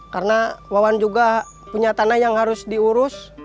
karena wawan juga punya tanah yang harus diurus